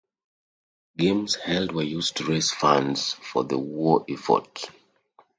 Games held were used to raise funds for the war effort.